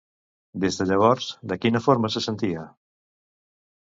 Des de llavors, de quina forma se sentia?